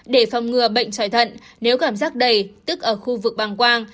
để phòng ngừa bệnh chạy thận nếu cảm giác đầy tức ở khu vực bàng quang